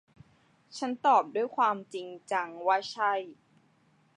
ฉันตอบด้วยความจริงจังว่า ใช่